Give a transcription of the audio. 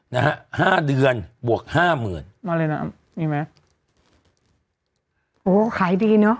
นะฮะห้าเดือนบวกห้าหมื่นมาเลยนะนี่ไหมโหขายดีเนอะ